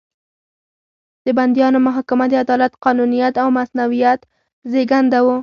د بندیانو محاکمه د عدالت، قانونیت او مصونیت زېږنده وو.